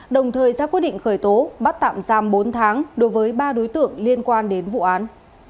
đồng thời ra quyết định khởi tố bắt tạm giam bốn tháng đối với ba đối tượng liên quan đến vụ án